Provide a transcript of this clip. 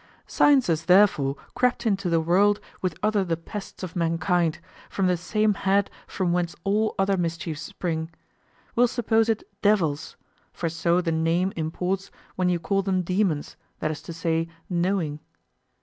Sciences therefore crept into the world with other the pests of mankind, from the same head from whence all other mischiefs spring; we'll suppose it devils, for so the name imports when you call them demons, that is to say, knowing.